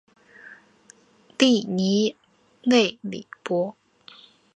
利尼勒里博。